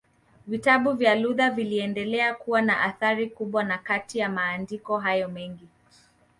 Vitabu vya Luther viliendelea kuwa na athari kubwa na Kati ya maandiko hayo mengi